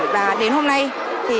và đến hôm nay thì